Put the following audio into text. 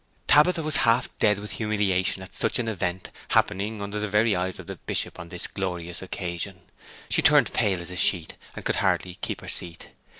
Tabitha was half dead with humiliation at such an event, happening under the very eyes of the Bishop on this glorious occasion; she turned pale as a sheet, and could hardly keep her seat.